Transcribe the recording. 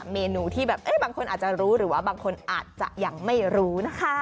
เมนูที่แบบบางคนอาจจะรู้หรือว่าบางคนอาจจะยังไม่รู้นะคะ